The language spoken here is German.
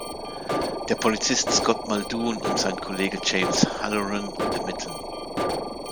Der Polizist Scott Muldoon und sein Kollege James Halloran ermitteln.